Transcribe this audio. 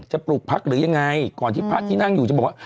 ปลูกพักหรือยังไงก่อนที่พระที่นั่งอยู่จะบอกว่า